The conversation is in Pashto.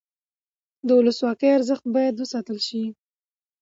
د ولسواکۍ ارزښت باید وساتل شي